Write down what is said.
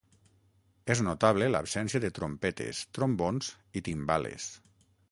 És notable l’absència de trompetes, trombons i timbales.